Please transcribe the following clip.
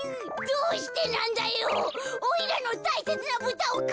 「どうしてなんだ！」。